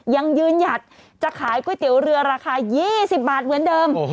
ยังยืนหยัดจะขายก๋วยเตี๋ยวเรือราคา๒๐บาทเหมือนเดิม